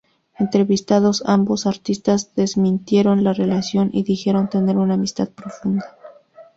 Entrevistados, ambos artistas desmintieron la relación y dijeron tener una amistad profunda.